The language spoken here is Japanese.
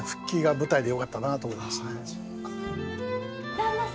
旦那様。